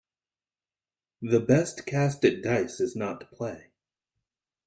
The best cast at dice is not to play.